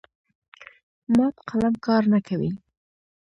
مات قلم کار نه کوي.